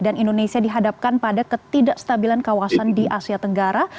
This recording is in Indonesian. dan indonesia dihadapkan pada ketidakstabilan kawasan di asia tenggara